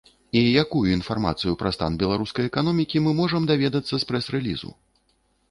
І якую інфармацыю пра стан беларускай эканомікі мы можам даведацца з прэс-рэлізу?